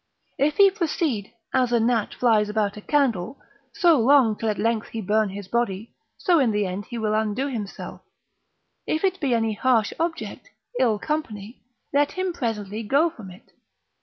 If he proceed, as a gnat flies about a candle, so long till at length he burn his bodv, so in the end he will undo himself: if it be any harsh object, ill company, let him presently go from it.